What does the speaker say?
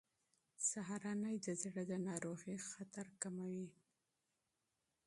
سهارنۍ د زړه د ناروغۍ خطر کموي.